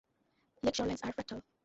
Lake shorelines are fractal.